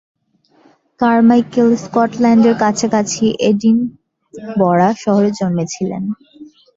Carmichael স্কটল্যান্ডের কাছাকাছি Edinburgh শহরে জন্মেছিলেন।